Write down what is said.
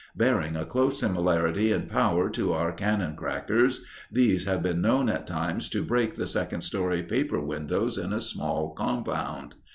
Bearing a close similarity in power to our cannon crackers, these have been known at times to break the second story paper windows in a small compound.